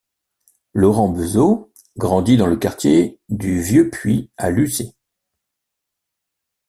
Laurent Bezault grandit dans le quartier du Vieux-Puits à Lucé.